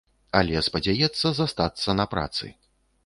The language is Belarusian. Але спадзяецца застацца на працы.